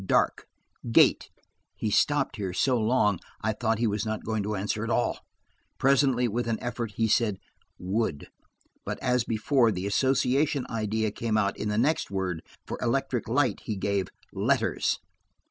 "Dark." "Gate." He stopped here so long, I thought he was not going to answer at all. Presently, with an effort, he said "wood," but as before, the association idea came out in the next word; for "electric light" he gave "letters."